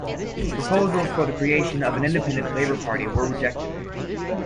Proposals for the creation of an independent labor party were rejected.